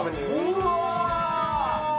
うわ！